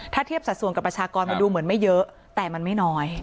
ถ้าเทียบสัดส่วนกับประชากรมันดูเหมือนไม่เยอะแต่มันไม่น้อย